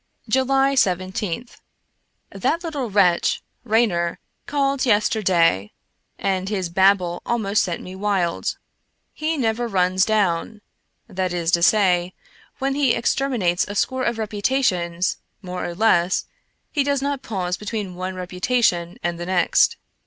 July 17th. That little wretch, Raynor, called yesterday, and his bab ble set me almost wild. He never runs down — that is to say, when he exterminates a score of reputations, more or less, he does not pause between one reputation and the next.